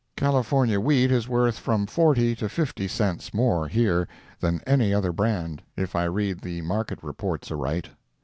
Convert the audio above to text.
California wheat is worth from forty to fifty cents more here, than any other brand, if I read the market reports aright.